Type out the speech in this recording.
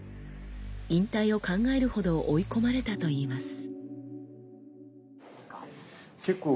引退を考えるほど追い込まれたといいます。